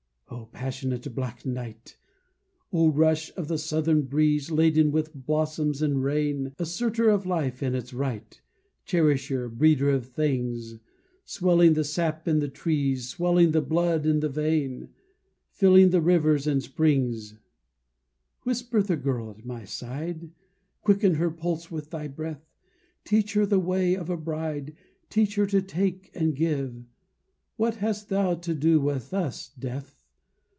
O passionate black night! O rush of the southern breeze, Laden with blossoms and rain, Asserter of life and its right, Cherisher, breeder of things, Swelling the sap in the trees, Swelling the blood in the vein, Filling the rivers and springs: Whisper the girl at my side, Quicken her pulse with thy breath, Teach her the way of a bride, Teach her to take and to give. What hast thou to do with us, Death?